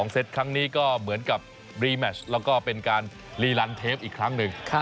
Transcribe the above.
เซตครั้งนี้ก็เหมือนกับรีแมชแล้วก็เป็นการรีลันเทปอีกครั้งหนึ่ง